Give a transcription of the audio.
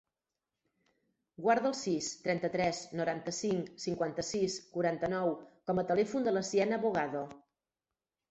Guarda el sis, trenta-tres, noranta-cinc, cinquanta-sis, quaranta-nou com a telèfon de la Siena Bogado.